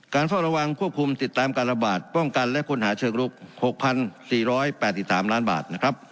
เฝ้าระวังควบคุมติดตามการระบาดป้องกันและค้นหาเชิงลุก๖๔๘๓ล้านบาทนะครับ